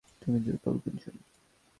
তুমি দুর্বল গুঞ্জন।